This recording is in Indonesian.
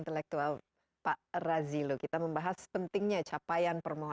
zadcknow liu agar kita mengikuti semua aspekrs ipa